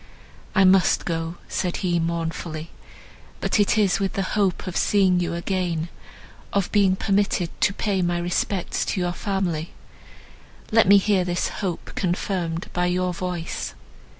"I must go," said he mournfully, "but it is with the hope of seeing you again, of being permitted to pay my respects to your family; let me hear this hope confirmed by your voice."